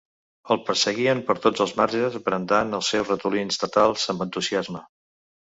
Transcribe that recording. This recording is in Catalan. Els perseguien per tots els marges brandant els seus ratolins letals amb entusiasme.